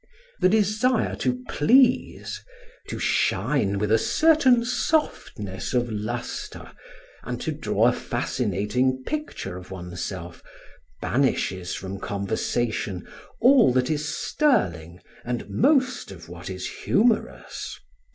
The desire to please, to shine with a certain softness of lustre and to draw a fascinating picture of oneself, banishes from conversation all that is sterling and most of what is humorous.